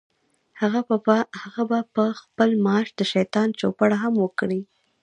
هغه به په ښه معاش د شیطان چوپړ هم وکړي.